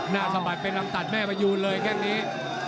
สะบัดเป็นลำตัดแม่พยูนเลยแค่งนี้